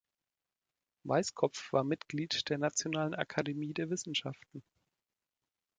Weisskopf war Mitglied der Nationalen Akademie der Wissenschaften